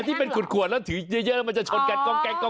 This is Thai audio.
อันนี้เป็นขวนถือเยอะมันจะเชิดโกงแก๊ง